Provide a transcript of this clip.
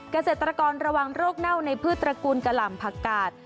เกษตรกรระวังโรคเน่าในพืชตระกูลกะหล่ำผักกาด